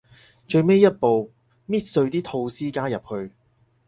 最尾一步，搣碎啲吐司加入去